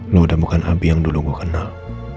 lo udah bukan abi yang dulu gue kenal